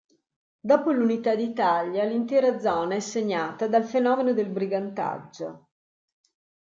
Dopo l'Unità d'Italia, l'intera zona è segnata dal fenomeno del brigantaggio.